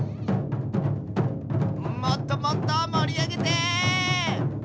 もっともっともりあげて！